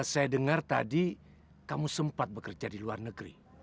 saya dengar tadi kamu sempat bekerja di luar negeri